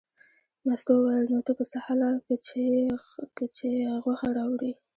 مستو وویل نو ته پسه حلال که چې یې غوښه راوړې.